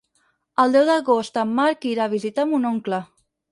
El deu d'agost en Marc irà a visitar mon oncle.